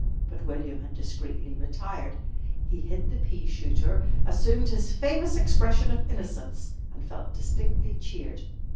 But William had discreetly retired. He hid the pea shooter, assumed his famous expression of innocence, and felt distinctly cheered.